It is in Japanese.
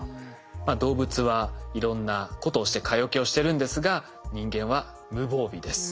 動物はいろんなことをして蚊よけをしてるんですが人間は無防備です。